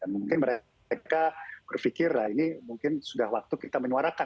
mungkin mereka berpikir lah ini mungkin sudah waktu kita menyuarakan